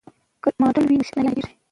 که ماډل وي نو شکل نه هېریږي.